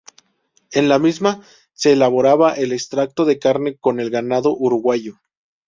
En la misma se elaboraba el extracto de carne con el ganado uruguayo.